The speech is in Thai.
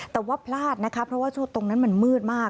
แต่ว่าพลาดนะคะเพราะว่าช่วงตรงนั้นมันมืดมาก